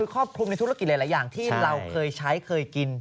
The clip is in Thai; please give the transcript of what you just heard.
ครอบคลุมในธุรกิจหลายอย่างที่เราเคยใช้เคยกิน